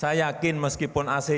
saya sudah berada di ruangan ini